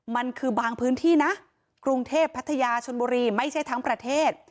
มันคือบางพื้นที่นะกรุงเทพพัทยาชนบุรีไม่ใช่ทั้งประเทศ